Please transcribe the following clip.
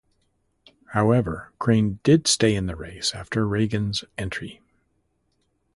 However, Crane did stay in the race after Reagan's entry.